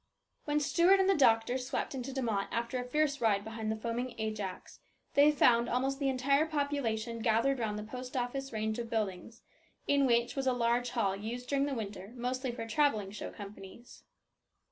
WHEN Stuart and the doctor swept into De Mott after a fierce ride behind the foaming Ajax, they found almost the entire population gathered round the post office range of buildings, in which was a large hall used during the winter mostly for travelling show companies.